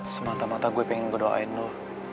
semata mata gue pengen gue doain lo